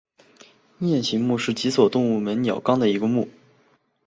雁形目是脊索动物门鸟纲的一个目。